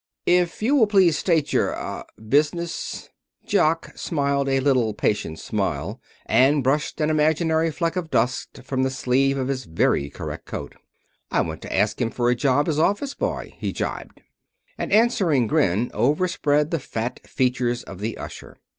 "If you will please state your ah business " Jock smiled a little patient smile and brushed an imaginary fleck of dust from the sleeve of his very correct coat. "I want to ask him for a job as office boy," he jibed. An answering grin overspread the fat features of the usher.